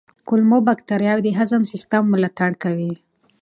کولمو بکتریاوې د هضم سیستم ملاتړ کوي.